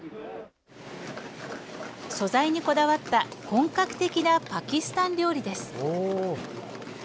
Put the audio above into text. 素材にこだわった本格的なパキスタン料理です。